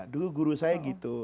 dulu guru saya gitu